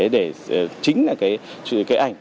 để chính là cái ảnh